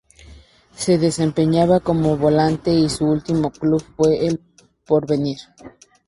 Se desempeñaba como volante y su último club fue El Porvenir.